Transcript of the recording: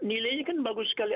nilainya kan bagus sekali